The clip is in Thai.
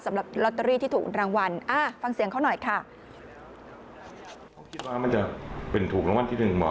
ลอตเตอรี่ที่ถูกรางวัลฟังเสียงเขาหน่อยค่ะ